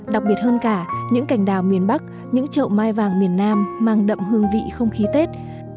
đặc biệt hơn cả những cành đào miền bắc những chậu mai vàng miền nam mang đậm hương vị không khí tết